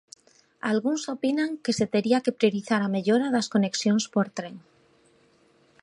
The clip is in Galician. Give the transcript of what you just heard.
Algúns opinan que se tería que priorizar a mellora das conexións por tren.